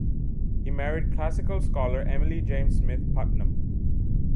He married classical scholar Emily James Smith Putnam.